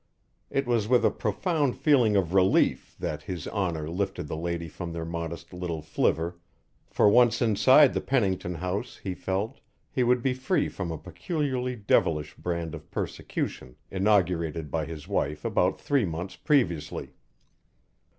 It was with a profound feeling of relief that His Honour lifted the lady from their modest little "flivver," for once inside the Pennington house, he felt, he would be free from a peculiarly devilish brand of persecution inaugurated by his wife about three months previously.